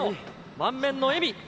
満面の笑み。